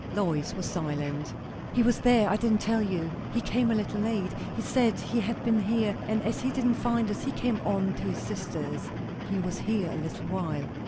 Lois was silent. "He was there; I didn't tell you. He came a little late. He said he had been here, and as he didn't find us he came on to his sister's." "He was here a little while."